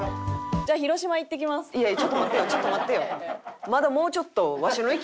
いやちょっと待ってよちょっと待ってよ。